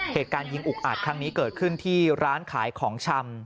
เหตุการณ์ยิงอุกอาจครั้งนี้เกิดขึ้นที่ร้านขายของชำ